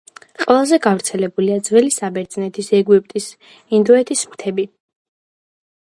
ყველაზე გავრცელებულია ძველი საბერძნეთის, ეგვიპტის, ინდოეთის მითები.